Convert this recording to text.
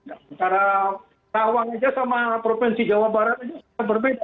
antara tawang saja sama provinsi jawa barat saja berbeda